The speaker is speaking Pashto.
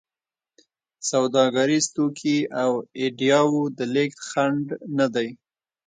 سوداګریز توکي او ایډیاوو د لېږد خنډ نه دی.